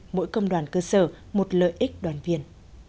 mỗi công đoàn cơ sở một lợi ích đoàn viên